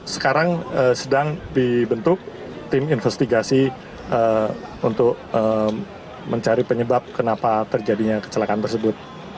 sekarang sedang dibentuk tim investigasi untuk mencari penyebab kenapa terjadinya kecelakaan tersebut